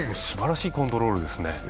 すばらしいコントロールですね。